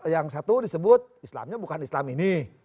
yang satu disebut islamnya bukan islam ini